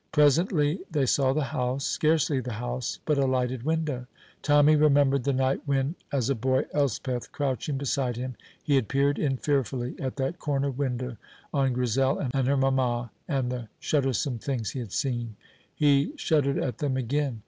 Presently they saw the house scarcely the house, but a lighted window. Tommy remembered the night when as a boy, Elspeth crouching beside him, he had peered in fearfully at that corner window on Grizel and her mamma, and the shuddersome things he had seen. He shuddered at them again.